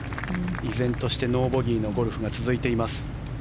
依然としてノーボギーのゴルフが続いています。